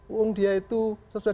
uang dia itu sesuai